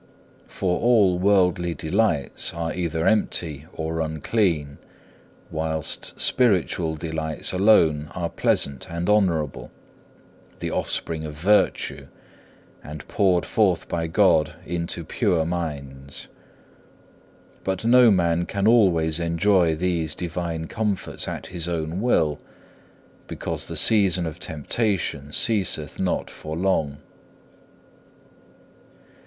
For all worldly delights are either empty or unclean, whilst spiritual delights alone are pleasant and honourable, the offspring of virtue, and poured forth by God into pure minds. But no man can always enjoy these divine comforts at his own will, because the season of temptation ceaseth not for long.